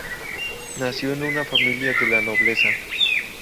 Nació en una familia de la nobleza.